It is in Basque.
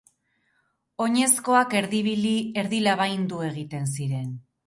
Oinezkoak erdi ibili, erdi labaindu egiten ziren.